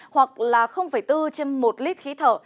hoặc là bốn trên một lít khí thở